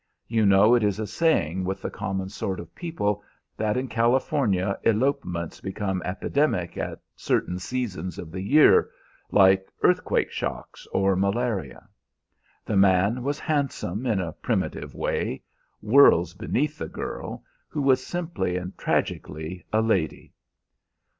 You know it is a saying with the common sort of people that in California elopements become epidemic at certain seasons of the year like earthquake shocks or malaria. The man was handsome in a primitive way worlds beneath the girl, who was simply and tragically a lady.